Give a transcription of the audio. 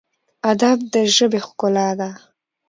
ادب د ژبې ښکلا ده